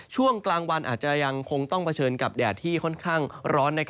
ช่วงกลางวันอาจจะยังคงต้องเผชิญกับแดดที่ค่อนข้างร้อน